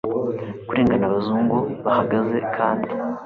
kurengana abazungu bahagaze kandi